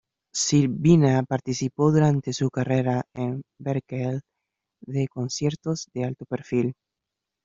Silvina participó, durante su carrera en Berklee, de conciertos de alto perfil.